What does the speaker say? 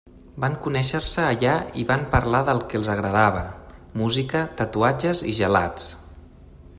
Van conèixer-se allà i van parlar del que els agradava: música, tatuatges i gelats.